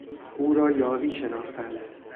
او را یاغی شناختند.